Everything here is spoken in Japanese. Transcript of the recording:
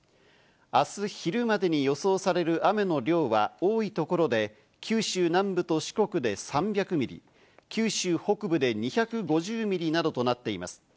明日昼までに予想される雨の量は多い所で九州南部と四国で３００ミリ、九州北部で２５０ミリなどとなっています。